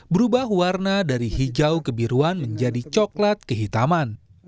berubah warna dari hijau kebiruan menjadi coklat kehitaman